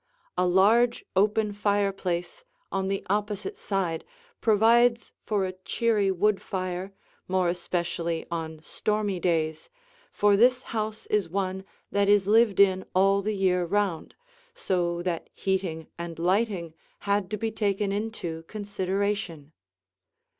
A large, open fireplace on the opposite side provides for a cheery wood fire, more especially on stormy days, for this house is one that is lived in all the year round, so that heating and lighting had to be taken into consideration.